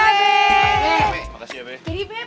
makasih ya be